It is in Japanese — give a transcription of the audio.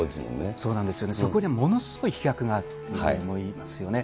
そこでものすごい飛躍があったと思いますよね。